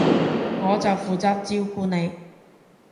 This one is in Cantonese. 我就負責照顧你